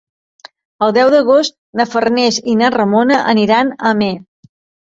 El deu d'agost na Farners i na Ramona aniran a Amer.